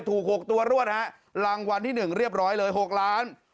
ถูก๖ตัวรวดฮะรางวัลที่๑เรียบร้อยเลย๖ล้าน